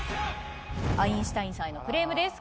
アインシュタインさんへのクレームです